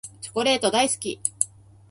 チョコレート大好き。